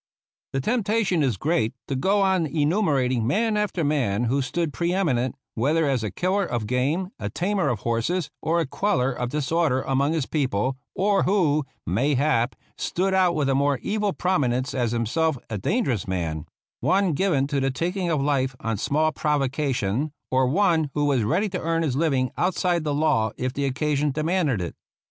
The temptation is great to go on enumerating man after man who stood pre eminent, whether as a killer of game, a tamer of horses, or a queller of disorder among his people, or who, mayhap, stood out with a more evil prominence as himself a dangerous man — one given to the taking of life on small provocation, or one who was ready to earn his living outside the law if the occasion de manded it.